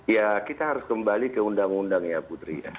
ya kita harus kembali ke undang undang ya putri ya